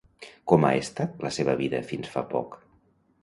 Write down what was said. Com ha estat la seva vida fins fa poc?